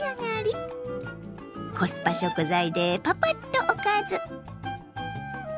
コスパ食材でパパッとおかず。